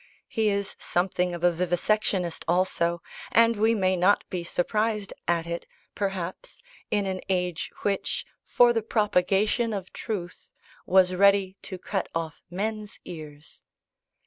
He is something of a vivisectionist also, and we may not be surprised at it, perhaps, in an age which, for the propagation of truth, was ready to cut off men's ears.